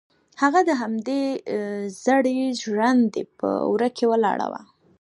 هغه د همدې زړې ژرندې په وره کې ولاړه وه.